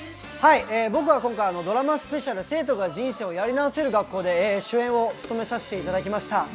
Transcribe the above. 僕は今回、ドラマスペシャル『生徒が人生をやり直せる学校』で主演を務めさせていただきました。